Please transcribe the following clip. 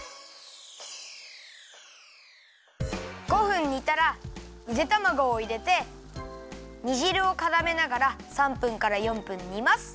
５分煮たらゆでたまごをいれてにじるをからめながら３分から４分煮ます。